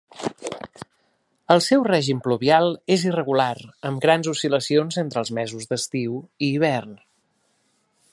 El seu règim pluvial és irregular, amb grans oscil·lacions entre els mesos d'estiu i hivern.